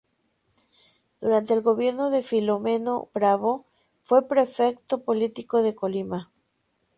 Durante el gobierno de Filomeno Bravo, fue Prefecto político de Colima.